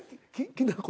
きな粉。